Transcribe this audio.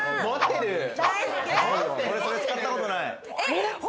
それ使ったことない。